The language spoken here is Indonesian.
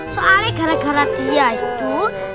soalnya gara gara dia itu